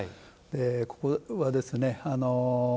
ここはですね